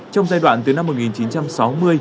trong giai đoạn từ năm một nghìn chín trăm sáu mươi